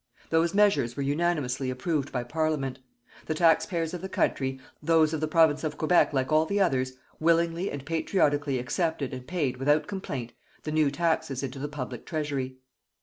Those measures were unanimously approved by Parliament. The taxpayers of the country, those of the Province of Quebec like all the others, willingly and patriotically accepted and paid without complaint the new taxes into the public treasury.